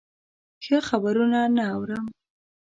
ښه خبرونه نه اورم.